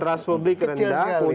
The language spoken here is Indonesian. trust publik rendah